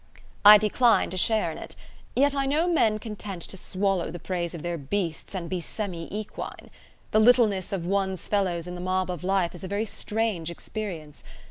I decline to share in it. Yet I know men content to swallow the praise of their beasts and be semi equine. The littleness of one's fellows in the mob of life is a very strange experience!